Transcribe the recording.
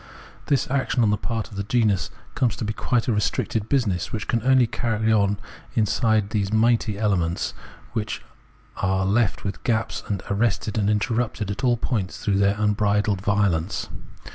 This action on the part of the genus comes to be quite a restricted business, which it can only carry on inside those mighty elements, and which is left with gaps and arrested and interrupted at all points through their unbridled violence.